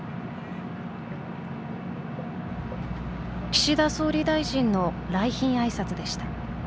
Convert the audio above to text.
岸田総理大臣の来賓あいさつでした。